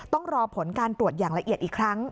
ต้องรอผลการตรวจอย่างละเอียดอีกครั้ง